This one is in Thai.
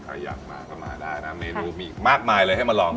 ใครอยากมาก็มาได้นะเมนูมีอีกมากมายเลยให้มาลอง